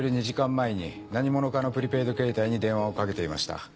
２時間前に何者かのプリペイドケータイに電話をかけていました。